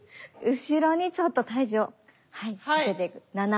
後ろにちょっと体重をかけていく。